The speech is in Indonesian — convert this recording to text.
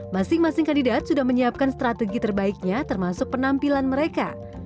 masing masing kandidat sudah menyiapkan strategi terbaiknya termasuk penampilan mereka